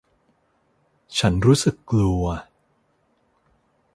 ฉันรู้สึกกลัว